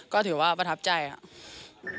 ก็ถือว่าประทับใจครับ